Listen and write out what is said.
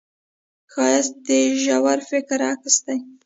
ښایست د ژور فکر عکس دی